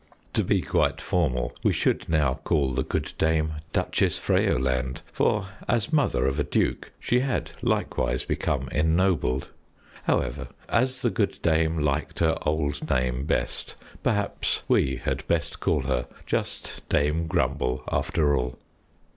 (To be quite formal, we should now call the good dame Duchess Freyoland, for as mother of a duke, she had likewise become ennobled. However, as the good dame liked her old name best, perhaps we had best call her just Dame Grumble after all.)